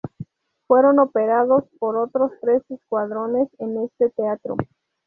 Fueron operados por otros tres escuadrones en este teatro.